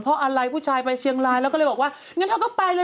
พ่ออะไรผู้ชายไปเชียงลายแล้วคงเลยบอกว่าเดี๋ยวเขาไปเลย